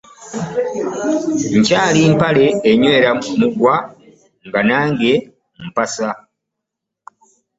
Nkyali mpale enywera mugwa nga nange mpasa!